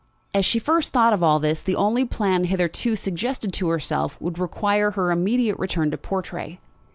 As she first thought of all this, the only plan hitherto suggested to herself would require her immediate return to Portray.